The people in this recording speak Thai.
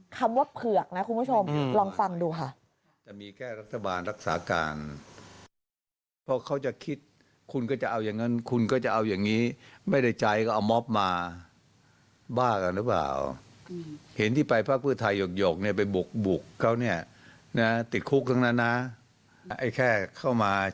คำว่าเผือกนะคุณผู้ชมลองฟังดูค่ะ